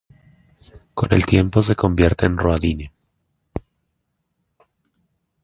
Con el tiempo se convierte en un roadie.